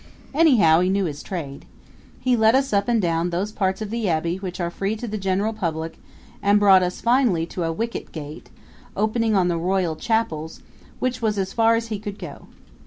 Anyhow, he knew his trade. He led us up and down those parts of the Abbey which are free to the general public and brought us finally to a wicket gate, opening on the royal chapels, which was as far as he could go.